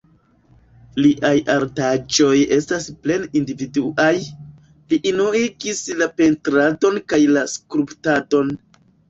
Liaj artaĵoj estas plene individuaj, li unuigis la pentradon kaj la skulptadon.